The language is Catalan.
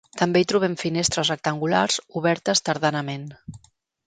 També hi trobem finestres rectangulars obertes tardanament.